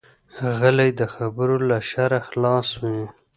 غلی، د خبرو له شره خلاص وي.